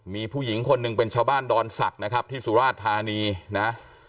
มีผู้หญิงคนหนึ่งเป็นชาวบ้านดอนศักดิ์นะครับที่สุราชธานีนะ